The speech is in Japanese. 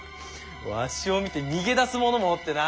わしを見て逃げ出す者もおってな。